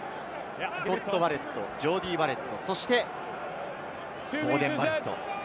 スコット・バレット、ジョーディー・バレット、そしてボーデン・バレット。